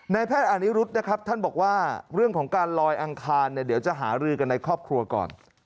แพทย์อานิรุธนะครับท่านบอกว่าเรื่องของการลอยอังคารเนี่ยเดี๋ยวจะหารือกันในครอบครัวก่อน